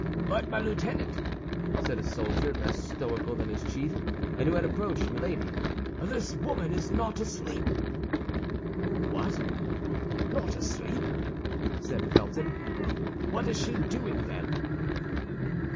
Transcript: "But, my lieutenant," said a soldier, less stoical than his chief, and who had approached Milady, "this woman is not asleep." "What, not asleep!" said Felton; "what is she doing, then?"